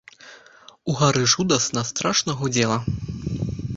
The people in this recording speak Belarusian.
Угары жудасна, страшна гудзела.